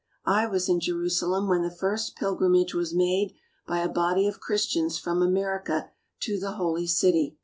I was in Jerusalem when the first pilgrimage was made by a body of Christians from America to the Holy City.